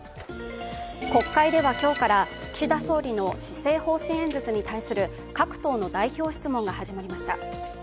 国会では今日から岸田総理の施政方針演説に対する各党の代表質問が始まりました。